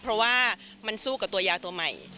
เพราะว่ามันสู้กับตัวยาตัวใหม่